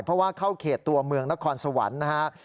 เพราะว่าเข้าเขตตัวเมืองนครสวรรค์นะฮะ